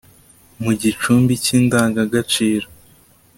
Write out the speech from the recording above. mu gicumbi cy'indangagaciro